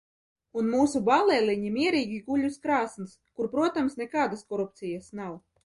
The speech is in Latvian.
Un mūsu bāleliņi mierīgi guļ uz krāsns, kur, protams, nekādas korupcijas nav!